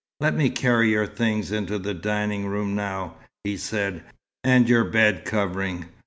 "Let me carry your things into the dining room now," he said. "And your bed covering.